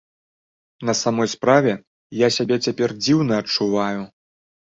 На самой справе, я сябе цяпер дзіўна адчуваю.